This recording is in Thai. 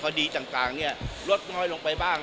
ขณะขวดดีต่างลดลงไปบ้าง